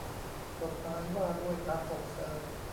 กฎหมายว่าด้วยการส่งเสริม